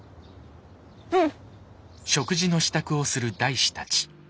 うん！